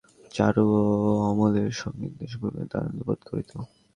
চারু ও অমলের সখিত্বে ভূপতি আনন্দ বোধ করিত।